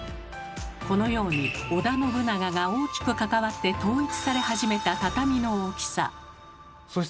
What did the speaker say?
このように織田信長が大きく関わって統一され始めた畳の大きさ。